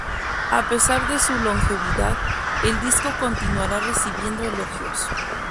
A pesar de su longevidad, el disco continúa recibiendo elogios.